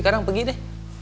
sekarang pergi deh